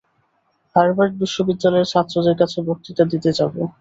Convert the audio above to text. Harvard বিশ্ববিদ্যালয়ের ছাত্রদের কাছে বক্তৃতা দিতে যাব।